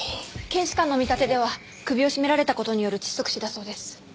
検視官の見立てでは首を絞められた事による窒息死だそうです。